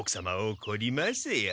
おこりますよ。